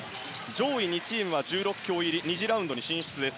上位２チームは１６強入り２次ラウンドに出場です。